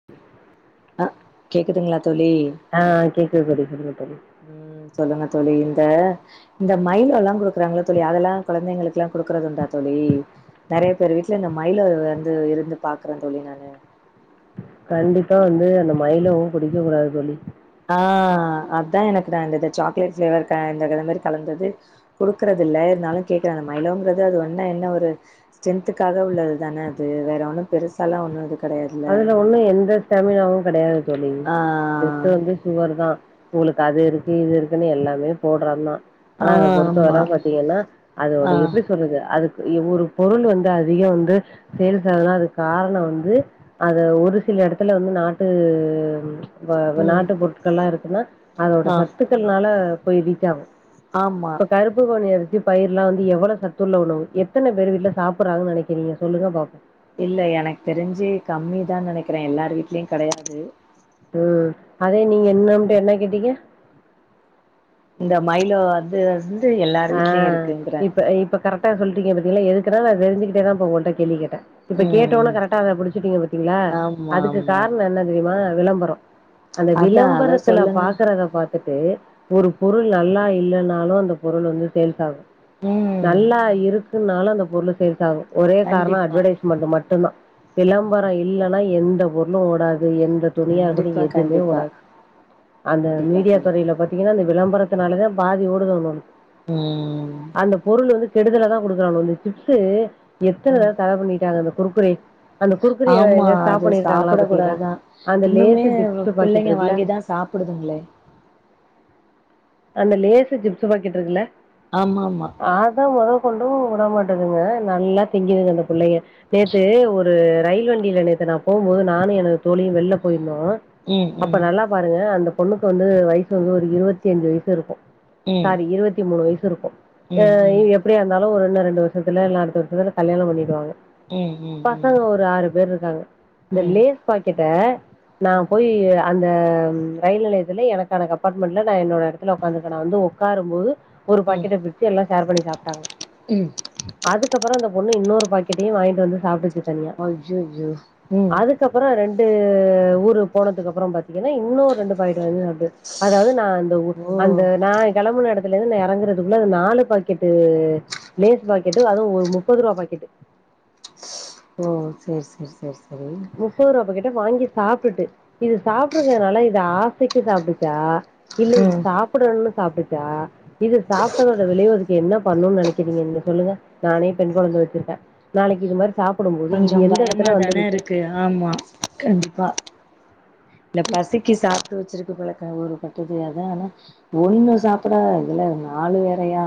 அ [inaudible] அ கேக்குதுங்களா தோழி ஆ கேக்குது தோழி சொல்லுங்க தோழி ம் சொல்லுங்க தோழி இந்த இந்த மயிலோலா குடுக்குறாங்கள தோழி அதலா கொழந்தைங்களுக்குலா குடுக்குறதுண்டா தோழி நறைய பேர் வீட்டுல இந்த மயிலோ வந்து இருந்து பாக்குற தோழி நானு கண்டிப்பா வந்து அந்த மயிலோவு குடிக்க கூடா தோழி ஆ அத்தா எனக்கு நா இந்த இத சாக்லேட் ஃபிளேவர் க இந்த வெல மாரி கலந்தது குடுக்குறதில்ல இருந்தாலு கேக்குறே இந்த மயிலோங்குறது அது ஒண்ணா என்ன ஒரு ஸ்ட்ரென்த்துக்காக உள்ளது தானே அது வேற ஒண்ணு பெருசாலா ஒண்ணு இதுக் அதுல ஒண்ணு எந்த ஸ்டாமினாவு கெடையாது தோழி ஆ ஜஸ்ட் வந்து சுகர் தா உங்களுக்கு அது இருக்கு இது இருக்குன்னு எல்லாமே போடுறாதா ஆ ஆ ஆனா அத பொறுத்த ஆமா வர பாத்தீங்கன்னா அதோட ஆ எப்டி சொல்றது அதுக்கு ஒரு பொருள் வந்து அதிக வந்து செயல்ஸ் ஆனா அதுக்கு காரண வந்து அத ஒரு சில எடத்துல வந்து நாட்டு இந்த ம் நாட்டு பொருட்கள் எல்லா இருக்குன்னா அதோட ஆ சத்துக்கள்னால போய் ரீச்சாகு ஆமா இப்ப பருப்பு கொஞ்ச எடுத்து பயிருலா வந்து எவ்வள சத்துள்ள உணவு எத்தன பேர் வீட்ல சாப்பட்றாங்க நனைக்கிறீங்க சொல்லுங்க பாப்பாே இல்ல எனக்கு தெரிஞ்சு கம்மி தா நனைக்கிறே எல்லார் வீட்லயு கெடையாது ம் அதே நீங்க என்னம்ட்டு என்ன கேட்டீங்க இந்த மைலோ அது து ஆ இப்ப இப்ப கரெக்டா சொல்ட்டீங்கீங்க பாத்தீங்களா இதுக்குன்னா நா தெரிஞ்சுக்கிட்டே தா போ ஒகள்ட்ட கேள்வி கேட்டே இப்ப ம் கேட்டோனே ம் கரெக்டா அத புடிச்சட்டீங்க பாத்தீங்களா ஆமா அதுக்கு ஆமா காரண என்னது தெரியுமா விளம்பரோ அந்த அதா அத விளம்பரத்துல சொல்லுங்க பாக்குறத பா த்துட்டு ஒரு பொருள் நல்லா இல்லன்னாலு அந்த பொருள் வந்து சேல்ஸ் ஆகு ம் நல்லா இருக்குனாலு அந்த பொருள் சேல்ஸ் ஆகு ஒரே காரணொ கண்டிப்பா அட்வர்டைஸ் மன்ட் மட்டுதா விளம்பரோ இல்லன்னா எந்த பொருளு ஓடாது எந்த தொழியா கண்டிப்பா அதுலயு எதுவுமே கண்டிப்பா ஒடா அந்த கண்டிப்பா மீடியா தோழி துறையில ப தீங்கன்னா அந்த விளம்பரத்துனாலதா பாதி ஓடுது [unintelligible] ம் அந்த பொருள் வந்து கெடுதல தா கொடுக்குறானு இந்த சிப்ஸு எத்தன ம் தவ தட பண்ணிட்டாங்க அந்த குற்க்குரே ஆமா அது சாப்புட பாத்தீங்களா? கூடாதுதா அந்த இன்னுமே லேஸு சிப்ஸு பாக்கெட் பிள்ளைங்க இருக்குல்ல, வாங்கிதா சாப்புடுதுங்களே அந்த லேசு ஜிப்ஸு பாக்கிட்ருக்குல ஆமா ஆமா அத மொதல் கொண்டு விட மாட்டேதுங்க நல்லா திங்கிதுங்க அந்த பிள்ளைங்க நேத்து ஒரு ரயில் வண்டியில நேத்து நா போகும்போது நானு எனனோட தோழியு வெளில போயிருந்தோ ம் அப்ப ம் நல்லா பாருங்க அந்த பொண்ணுக்கு வந்து வயசு வந்து ஒரு இருவத்தி அஞ்சு வயசு இருக்கு ம் சாரி இருவத்தி மூணு வயசு இருக்கு ஆ ம் ம் இ ம் எ ப்டியா இருந்தாலு ஒரு இன்னு ரெண்டு வருஷத்துல இல்ல அடுத்த வருஷத்துல கல்யாண பண்ணிடுவாங்க ம் ம் பசங்க ஒரு ஆறு பேர் இருக்காங்க இந்த ம் லேஸ் பாக்கெட்ட நா ம் போய் அந்த ரயில் நிலையத்துல எனக்கான அப்பார்ட்மெண்ட்ல நா என்னோட எடத்துல ஒக்காந்துக்கே நா வந்து ஒக்காரும் போது ஒரு ம் பாக்கெட்ட பிச்சி எல்லா ஷேர் பண்ணி சாப்டாங்க ம் அதுக்கப்பற அந்த பொண்ணு இன்னொரு பாக்கெட்டையு வாங்கிட்டு வந்து சாப்டுச்சு தனியா அய்யய்யோ ம் அதுக் அதுக்கப்புற ரெண்டு ஊரு போனதுக்கு அப்புற பாத்தீங்கன்னா இன்னும் ரெண்டு பாக்கெட் வந்து சாப்டு அதாவது நா அந்த ஊர் ஓ அந்த நா கெளம்புன எடத் துல இருந்து நா எறங்கறதுக்குள்ள அது நாலு பாக்கெட்டு லேஸ் பாக்கெட்டு வாங்க முப்பது ரூவா பாக்கெட்டு ஓ செரி செரி செரி செரி முப்பது ரூவா பாக்கெட்டு வாங்கி சாப்டுட்டு இது சாப்டுறக்கறதுனால இத ஆசைக்கு சாப்டுச்சா இல்ல இது ம் சாப்டனுன்னு சாப்டுச்சா இது சாப்டதோட விளைவு இதுக்கு என்ன பண்ணுனு நெனைக்கிறீங்க நீங்க சொல்லுங்க நானே பெண் கொழந்த வச்சிருக்கே நாளைக்கு இது மாரி சாப்புடும் போது கொஞ்சோ இது எந்த எடத்துல வந்து பயமாதான நிக்கு இருக்கு ஆமா கண்டிப்பா இல்ல பசிக் சிக்கு சாப்ட்டு வச்சிருக்கு போலக்க ஒரு கட்டது அதா ஆனா ஒண்ணு சாப் புடா இதுல நாலு வேறையா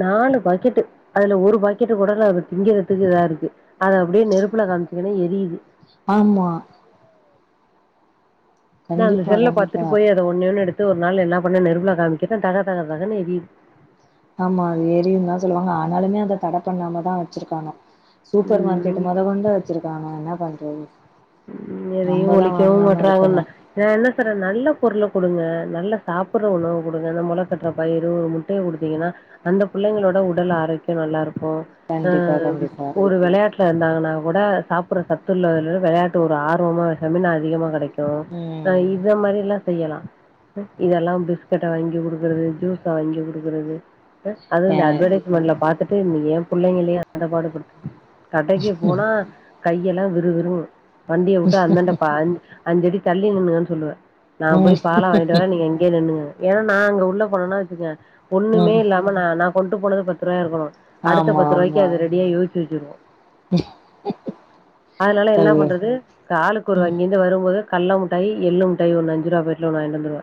நாலு பாக்கெட்டு அதுல ஒரு பாக்கெட்டு கூட நா திங்கறதுக்கு இதா இருக்கு அத அப்டியே நெருப்புல காமிச்சிங்கன்னா எரியுது ஆமா நா அதுல கண்டிப்பா செல்ல பாத்துட்டு கண்டிப்பா போய் அத ஒண்ணெ ஒண்ணு எடுத்து ஒரு நாள் என்ன பண்ண நெருபுல காமிக்கிறே தக தக தகன்னு ஏரியுது ஆமா அது ஏரியுந்தா சொல்லுவாங்க ஆனாலுமே அத தட பண்ணாமதா வச்சிருக்காங்க சூப்பர் ம் மார்க்கெட் மொத கொண்டு வச்சிருக்காங்க என்னா பண்றது எதையு நம்மதா ஒளிக்கவு வாங்காம இருக்கணு மாட்டறாங்கன்ன நா என்ன சொல்ற நல்ல பொருள கொடுங்க நல்ல சாப்புற உணவு கொடுங்க அந்த மொள கட்டுற பயிறு ஒரு முட் ட்டய கொடுத்தீங்கன்னா அந்த புள்ளைங்களோட உடல் ஆரோக்கியொ நல்லா இருக்கு அ கண்டிப்பா கண்டிப்பா ஒரு வெளையாட் டுல இருந்தாங்கன்னா கூட சாப்புற சத்து உள்ள வெளையாட்டு ஒரு ஆர்வமா செமினா அதிகமா கெடைக்கு ம் நா இத மாரில்லா செய்யலா இதல்லா பிஸ்கட்ட வாங்கி குடுக்குறது ஜூஸ வாங்கி குடுக்குறது அது ஏ இந்த அட்வர்டைஸ்மெண்ட்ல பாத்துட்டு ஏ புள்ளைங்களே அந்த பாடு படுத்து கடைக்கு போனா கையெல்லா விறுவிருங்கு வண்டிய வுட்டு அந்தண்ட பான்ஞ் அஞ்சடி தள்ளி நின்னுங்கன்னு சொல்லுவே நா போய் பால ம் வாங்கிட்டு வர நீங்க இங்கேயே நில்லுங்க ஏன்னா நா அங்க உள்ள போனேனா வச்சுங்க ஒண்ணுமே ம் இல்லாம ந நா கொண்டு போனது பத்து ரூவாயா இருக்கணு அடுத்த ஆமா பத்து ரூவாய்க்கு ஆமா அது ரெடியா யோசிச்சு வச்சிரு அதனால என்ன தோழி பண்ற து ஆளுக்கு ஒரு அங்கிருந்து வரும் போது கல்ல முட்டாய் எள்ளு முட்டாய் ஒண்ண அஞ்சு ரூவா பாக்கெட்ல ஒண்ணு வாங்கிட்டு வந்துருவ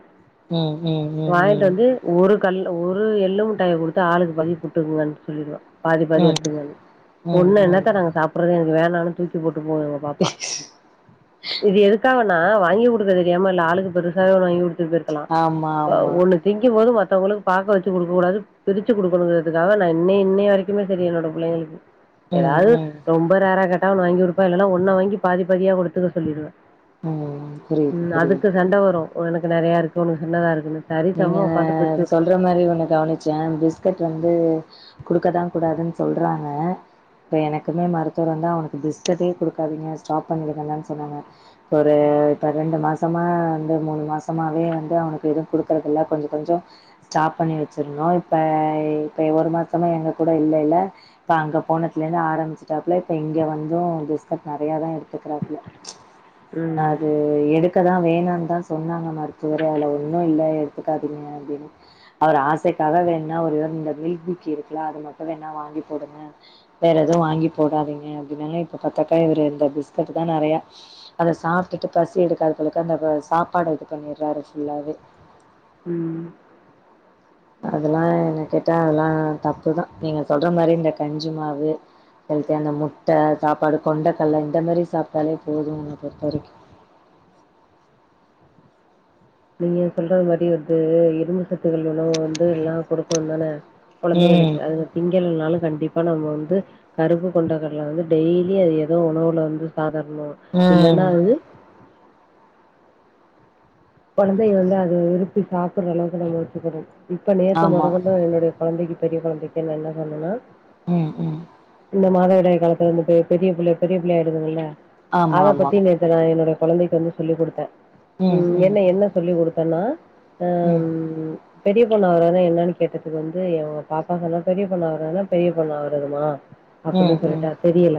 ம் ம் ம் வாங்கிட்டு ம் வந்து ஒரு கல் ஒரு எள்ளு முட்டாய கொடுத்து ஆளுக்கு பாதி புட்டுக்குங்கன்னு சொல்லிடுவ பாதி பாதி ம் எடுத்துக்குங்கனு ம் பொண்ணு என்னத்தா ம் நாங்க சாப்டுறது எனக்கு வேணானு தூக்கி போட்டு போவா பிளாக் இது எதுக்காகனா வாங்கி குடுக்க தெரியாம இல்ல ஆளுக்கு பெருசாவே ஒன்னு வாங்கி குடுத் து போயிருக்கலா ஆமா ஆமா ஒன்னு திங்கும் போது மத்தவங்களுக்கு பாக்க வச்சு குடுக்க கூடாது பிரிச்சு குடுக்கணுங்கிறதுக்காக நான் இன்னி இன்னை வரைக்குமே சரி என்னோட பிள்ளைங்களுக்கு ம் ஏதாது ம் ரொம்ப ரேரா கேட்டா ஒன்னு வாங்கி குடுப்ப இல்லன்னா ஒன்ன வாங்கி பாதி பாதியா கொடுத்துக்க சொல்லிடுவ ம் புரியுது ம் புரியுது அதுக்கு சண்ட வரு எனக்கு நெறைய இருக்கு ஒனக்கு சின்னதா இருக்குன்னு சரி நீங்க சமமா உக்காந்து பிரிச்சு விட்டுருவே சொல்ற மாரி ஒன்னு கவனிச் ச பிஸ்கட் வந்து குடுக்க தா கூடாதுனு சொல்றாங்க இப்போ எனக்குமே மருத்துவர் வந்து அவனுக்கு பிஸ்கட்டே கொடுக்காதீங்க ஸ்டாப் பண்ணிடுங்கந்தானு சொன்னாங்க இப்ப ஒரு பன்ணெண்டு மாசமா வந்து மூணு மாசமாவே வந்து அவனுக்கு எதுவு கொடுக் கறதுல்லா கொஞ்ச கொஞ்சோ ஸ்டாப் பண்ணி வச்சிர்ணொ இப்ப இப்ப ஒரு மாசமா எங்க கூட இல்லைல இப்ப அங்க போனத்துல இந்து ஆரம்பிச்சிட்டாப்புல இப்ப இங்க வந்து பிஸ்கட் நெறையா தா எடுத்துக்குறாப்ல ம் அது எடுக்கதா வேணான்தா சொன்னாங்க மருத்துவரே அல ஒன்னு இல்ல எத்துக்காதீங்க அப்டினு அவர் ஆசைக்காக வேன்னா ஒரு இந்த மில்க் பிக்கி இருக்குலா அத மட்டு வேணா வாங்கி போடுங்க வேற எதுவு வாங்கி போடாதீங்க அப்டின்னாங்க இப்போ பாத்தாக்க இவரு இந்த பிஸ்கட்டு தா நெறைய அத சாப்ட்டுட்டு பசி எடுக்காது போளுக்கு அந்த ப சாப்பாடு இது பண்ணிறாரு ஃபுல்லாவே ம் அதெல்லா என்ன கேட்டா அதல்லா தப்புதா நீங்க சொல்ற மாரி இந்த கஞ்சி மாவு அவுருக்கு அந்த முட்ட சாப்பாடு கொண்டக்கல்ல இந்த மாரி சாப்ட்டாலே போது என்ன பொற்த்த வரிக்கு நீங்க சொல்றது மாரி வந்து இரும்பு சத்துகள் உணவு வந்து எல்லா குடுப்போந் தான கொழந்தைங்களுக்கு ம் அது திங்களனாலு கண்டிப்பா நம்ம வந்து கருப்பு கொண்டக்கடல வந்து டெய்லி அது எதோ உணவுல வந்து சாதார்ணோ இல்லன்னா ம் அது கொழந்தைய வந்து அத விருப்பி சாப்பிடுற அளவுக்கு நம்ம வெச்சுக்கிறோ இப்ப நேத்து ஆமா. மொதக்கொண் டு என்னுடைய கொழந்தைக்கு பெரிய கொழந்தைக்கு என்னென்ன சொன்னேன்னா ம் ம் இந்த மாதவிடாய் காலத்துலருந்து பெ பெரிய பிள்ளை பெரிய பிள்ளை ஆய்டுதுங்கல்ல ஆமா அத ஆமா பத்தி நே த்து நா என்னோடைய கொழந்தைக் வந்து சொல்லிக் குடுத்தே ம் என்ன என்ன சொல்லி குடுத்தன்னா அ ம் பெரிய பொண்ணு ஆவரத்னா என்னான்னு கேட்டத்துக்கு வந்து எ பாப்பா சொன்னா பெரிய பொண்ணு ஆவுரத்னா பெரிய பொண்ணு ஆவுரதுமா அப்படி ம் ம் சொல்லிட்டா தெரியல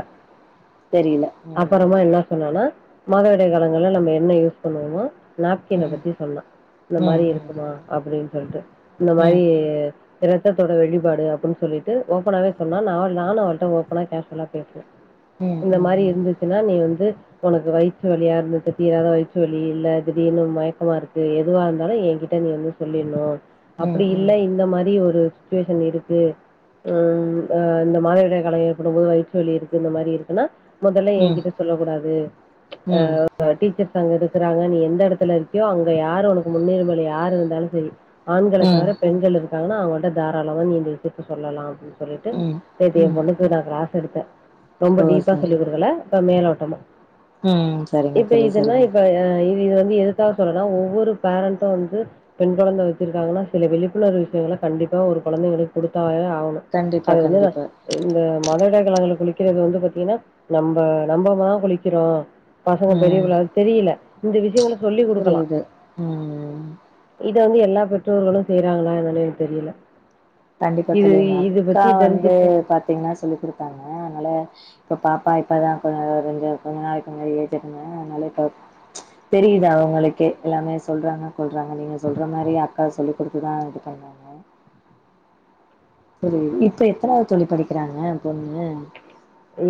தெரில அ ப்பறமா ம் என்னா சொன்னான்னா மாதவிடாய் காலங்கள்ல நம்ம என்ன யூஸ் பண்ணுவோமோ நாப்கின்ன ம் பத்தி சொன்னா இந்த ம் மாரி ம் ம் இருக்குமா அப்படின் சொல்ட்டு இந்த ம் மாரி ரத்ததோட வெளிப்பாடு அப்டின் சொல்லிட்டு ஓப்பனாவே சொன்னா நாள் நானு அவர்ட்ட ஓபனா கேஷ்வலா பே ம் ம் இந்த ம் ம் மாரி ம் இருந்துச்சுன்னா நீ வந்து உனக்கு வயிற்று வலியா இருந்துச்சு தீராத வயிற்றுவலி இல்ல திடீர்னு மயக்கமா இருக்கு எதுவா இருந்தாலு என்கிட்ட நீ வந்து சொல்லிர்ணு அப்படி இல்ல இந்த மாரி ஒரு சிச்சுவேஷன் இருக்கு ம் அ இந்த மாதவிடாய் காலோ ஏற்படும்போது வயிற்று வலி இருக்கு இந்த மாரி இருக்குனா மொதல்ல ம் என்கிட்ட சொல்லக்கூடாது அ ப டீச்சர்ஸ் அங்க இருக்குறாங்க நீ எந்த எடத்துல இருக்யோ அங்க யாரு உனக்கு முன்னுரிமல யாரு இருந்தாலு செரி ஆண்கள தவர ம் பெண்கள் இருக்காங்கன்னா அவங்கள்ட்ட தாராளமா நீ இந்த விஷயத்த சொல்லலா அப்டின் சொல்லிட்டு ம் நேத்தி எ ம். பொண்ணுக் கு நா க்ளாஸ் எடுத்த ரொம்ப ஓ டீப்பா சார் சொல்லிக்குடுக்கல அ மேலோட்டமா ம் சரிங்க இப்ப தோழி இதெல்லா சரிங்க இப்ப ஆ இது இது வந்து எதுக்கா சொல்றனா ஒவ்வொரு பேரண்ட்டு வந்து பெண் கொழந்த வச்சிருக்காங்கன்னா சில விழிப்புணர்வு விஷயங்கள கண்டிப்பா ஒரு கொழந்தைங்களுக் கொடுத்தாவே ஆவணு கண்டிப்பா அது வந்து கண்டிப்பா இந்த மாதவிடாய்க் காலங்கள்ல குளிக்கிறது வந்து பாத்தீங்கன்னா நம்ப நம்பமா குளிக்கிறோ பசங்க பெரிய ம் புள்ள ஆவுற்த் தெரியில இந்த விஷயங்கள சொல்லி குடுக்கலா புரியுது ம் இத வந்து எல்லா பெற்றோர்களு செய்றாங்களா என்னான்னு எனக்கு தெரியல கண்டிப்பா இது தோழி எங்க இது அக்கா பத்தி வந்து தெரிஞ்சுட்டு பாத்தீங்ன்னா சொல்லிக்குடுத்தாங்க அத்னால இப்ப பாப்பா இப்பதா கொஞ் ஒரு கொஞ்ச கொஞ்ச நாளைக்கு முன்னாடி ஏஜ் அட்டென் பண்ணா அதனால இப்ப தெரியுது அவுங்களுக்கே எல்லாமே சொல்றாங்க கொல்றாங்க நீங்க சொல்ற மாரி அக்கா சொல்லிக் குடுத்துதா இது பண்ணுவாங்க [unintelligible] இப்ப எத்தனாவ்து தோழி படிக்கிறாங்க பொண்ணு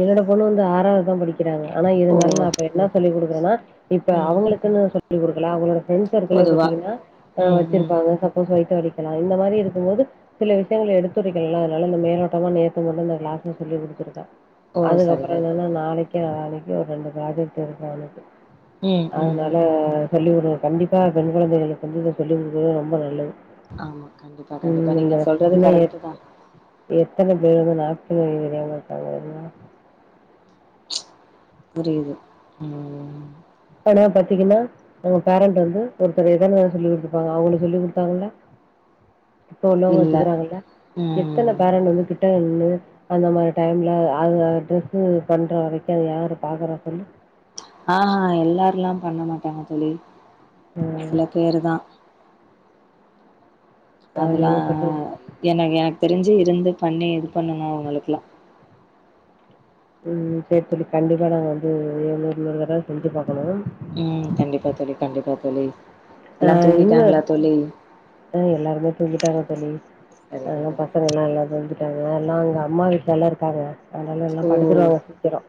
என்னோட பொண்ணு வந்து ஆறாவத்தா படிக்கிறா அவ ஆனா ஓ இருந்தாலு நா இப்ப என்னா சொல்லி குடுக்குறனா இப்ப ம் அவங்களுக்குன்னு சொல்லிக்குடுக்கல அவுங்களோட ஃப்ரெண் சர்க்கிளே பொதுவா பாத்தீங்கன்னா அ ம் ம் வச்சிருப்பாங்க இப்ப சொல்ட்டு அளிக்கலா இந்த மாரி இருக்கும் போது சில விஷயங்கள எடுத்துரைக்கல்ல அதனால இந்த மேலோட்டமா நேத்து மட்டு இந்த க்ளாஸ்ல சொல்லி குடுத்துருக்க ஓ அதுக்கப்புற சரிங்க. என்னன்னா நாளைக்கு நாளானைக்கு ஒரு ரெண்டு ப்ராஜெக்ட் இருக்கு அவளுக்கு ம் ம் அதனால ம் சொல்லிக்குடுங்க கண்டிப்பா பெண் குழந்தைகளுக்கு வந்து இத சொல்லிக்குடுக்குறது ரொம்ப நல்லது ஆமா கண்டிப்பா கண்டிப்பா ம் இந்த நீங்க சொல்றது இன்னும் கரெக்ட்டு எத் தா எத்தன பேரு நாப்கின் வெக்க தெரியாம இருக்காங்க தெரிமா புரியுது ம் ஆனா பாத்தீங்கன்னா அவங்க பேரண்ட் வந்து ஒருத்தர் எதன சொல்லி குடுத்துருப்பாங்க அவங்ளுக்கு சொல்லி குடுத்தாங்கள்ள [inaudible] இப்ப உள்ளவங்க இல்ல. ஒத்துக்கறாங்கல்ல ம் எத்தன பேரண்ட் வந்து திட் ட வந்து அந்த மாரி டைம்ல அது ட்ரெஸ்ஸு பண்ற வரைக்கு அது யாரு பாக்கற தோழி ஆ எல்லார்லா பண்ண மாட்டாங்க தோழி ம். சில பேரு தா ஆ அதெல்லா நீங்க சொல்றது எனக்கு எனக்கு தெரிஞ்சி இருந்து பண்ணி இது பண்ணணு அவங்களுக்கல்லா ம் ம் சேரி தோழி கண்டிப்பா நாங்க வந்து எழு இன்னொரு தட செஞ்சு பாக்கணும் ம் கண்டிப்பா தோழி கண்டிப்பா தோழி ஆ எல்லா இங்க தூங்கிட்டாங்களா தோழி ஆ எல்லாருமே தூங்கிட்டாங்க தோழி சரிங்க அதலா தோழி ப சங்கல்லா சரிங்க எல்லா தூங்கிட்டாங்க எல்லா அங்க அம்மா வீட்லா இருக்காங்க அதனால எல்லா ஓ படுத்துருவாங்க சீக்கிரோ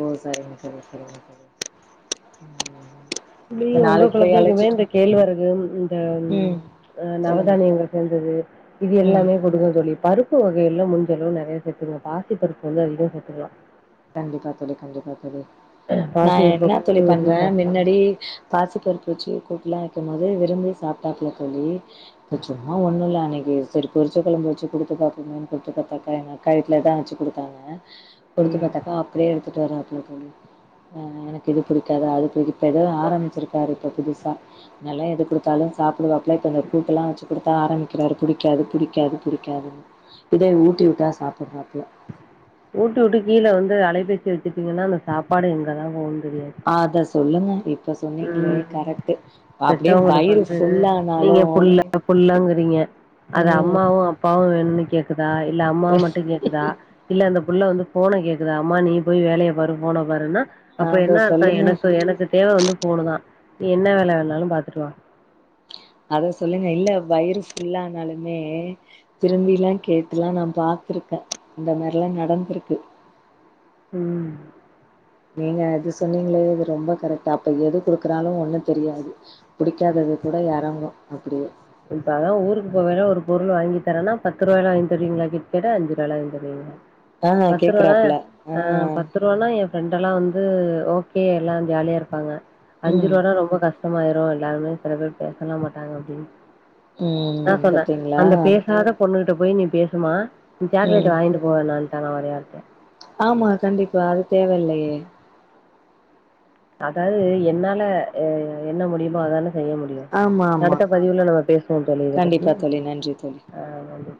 ஓ சரிங்க தோழி சரிங்க தோழி ம் ம் ம் தோழி ஒங்க கொழந்தைக்குமே இந்த கேழ்வரகு ம் இந்த ம் ஆ சொல்லுங்க நவதானியங்கள் செஞ்சதது இது ம் எல்லாமே குடுங்க தோழி பருப்பு வகைகள்ல முடிஞ்சளவு நறையா சேத்துங்க பாசி பருப்பு வந்து அதிகமா சேத்துக்கலா கண்டிப்பா தோழி கண்டிப்பா தோழி நா பாசி பருப்ப என்ன தோழி போட்டு வச்சு பண்ற சாப்ட்லா மின்னடி பாசிப்பருப்பு வச்சு கூட்லா வைக்கும் போது விரும்பி சாப்டாப்பல தோழி சும்மா ஒண்ணு இல்ல அன்னைக்கு சரி பொறிச்ச கொழம்பு வச்சு குடுத்து பாக்கனுன் குடுத்து பாத்தாக்க எனக் கைத்துலதா வச்சு குடுத்தாங்க கொடுத்து ம் பார்த்தாக்கா அப்டியே எடுத்துட்டு வர புடிக்காம அ எனக்கு இது புடிக்காத அது புடி இப்ப ஏதோ ஆரம்பிச்சிருக்காரு இப்ப புதுசா முன்னல்லா எது குடுத்தாலு சாப்பிடுவாப்பல இப்ப இந்த கூட்டு எல்லா வச்சு குடுத்தா ஆரம்பிக்கிறாரு புடிக்காது புடிக்காது புடிக்காது இதே ஊட்டி விட்டா சாப்பறாப்பல ஊட்டி உட்டு கீழ வந்து அலைபேசி வச்சுட்டீங்கன்னா அந்த சாப்பாடு எங்க தா போகுந் தெரியாது அத சொல்லுங்க இப்ப சொன்னீங்களே ம் கரெக்ட் அப்டியே பெத்தவங்களுக்கு வயிறு வந்து ஃபுல்லனாலு நீங்க புள்ள புள்ளங்கிறீங்க அது அம்மாவு அப்பாவு வேணுன்னு கேக்குதா இல்ல அம்மா மட்டு கேக்குதா இல்ல அந்த புள்ள வந்து போன கேக்குதா அம்மா நீ போய் வேலைய பாரு போன பாருன்னா அப்ப அத என்னா அர்த்தோ சொல்லுங்க எனக்கு எனக்கு தேவ வந்து போணு தா நீ என்ன வேல வேணாலு பாத்துட்டு வா அத சொல்லுங்க இல்ல வயிறு ஃபுல்லனாலுமே திரும்பிலா கேட்டுலா நா பார்த்துருக்கே இந்த மாரிலா நடந்திருக்கு ம் நீங்க இது சொன்னீங்ளே இது ரொம்ப கரெக்டா அப்ப எது குடுக்குறாலு ஒண்ணு தெரியாது புடிக்காதது கூட யரங்கு அப்டியே இப்பல்லா ஊருக்கு போவேல ஒரு பொருள் வாங்கி தரன்னா பத்து ரூவாய்ல வாங்கி தருவிங்களா கேட்ட அஞ்ச ரூவாய்ல வாங்கி [inaudible] ஆ பத்து ரூவானா கேக்குறப்புல ஆ பத்து ரூவான்னா என் ப்ரெண்ட் எல்லா வந்து ஓகே எல்லா ஜாலியா இருப்பாங்க அஞ்சு ம் ரூவானா ரொம்ப கஷ்ட கஷ்டமாயிரு எல்லாருமே சில பேர் பேசலா மாட்டாங்க அப்டின்னு அதா ம் சொன்ன பாத்தீங்களா அந்த பேசாத பொண்ணுகிட்ட போய் நீ பேசுமா நீ ம் சாக்லேட் வாங்கிட்டு போவேனான்டாங்க ஒரே வார்த்தையா ஆமா கண்டிப்பா அது தேவ இல்லையே அதாவது என்னால என்ன முடியுமோ அதான செய்ய முடியு ஆமா ஆமா அடுத்த பதிவுல நம்ம பேசுவோ தோழி இத பத்தி கண்டிப்பா தோழி நன்றி தோழி ஆ நன்றி